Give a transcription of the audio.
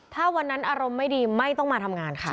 ถ้าวันนั้นอารมณ์ไม่ดีไม่ต้องมาทำงานค่ะ